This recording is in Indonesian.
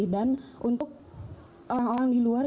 dan untuk orang orang di luar